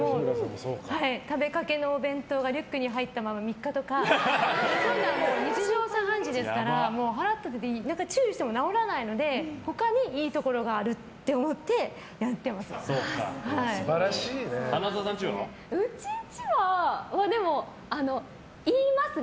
食べかけのお弁当がリュックに入ったまま３日とかそういうのは日常茶飯事だから腹立てて注意しても直らないので他にいいところがあると思ってやっていますね。